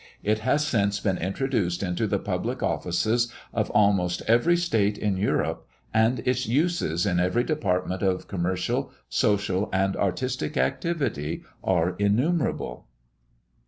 It has since been introduced into the public offices of almost every state in Europe; and its uses in every department of commercial, social, and artistic activity are innumerable.